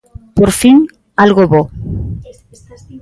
Por fin, algo bo.